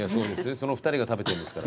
その２人が食べてるんですから。